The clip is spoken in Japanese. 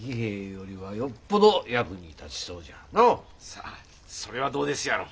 さあそれはどうですやろ。